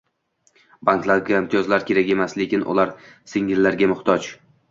Banklarga imtiyozlar kerak emas, lekin ular signallarga muhtoj